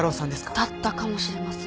だったかもしれません。